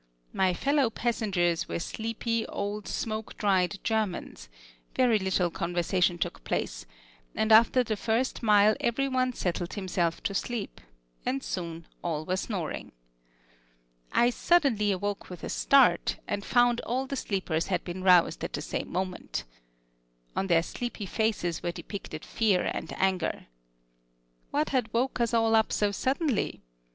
My fellow passengers were sleepy old smoke dried Germans: very little conversation took place, and after the first mile every one settled himself to sleep, and soon all were snoring. I suddenly awoke with a start, and found all the sleepers had been roused at the same moment. On their sleepy faces were depicted fear and anger. What had woke us all up so suddenly?